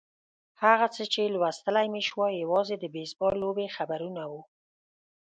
هغه څه چې لوستلای مې شوای یوازې د بېسبال لوبې خبرونه وو.